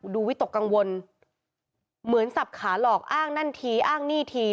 วิตกกังวลเหมือนสับขาหลอกอ้างนั่นทีอ้างนี่ที